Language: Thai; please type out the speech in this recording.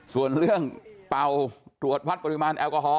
ส่วนเรื่องเป่าตรวจวัดปริมาณแอลกอฮอล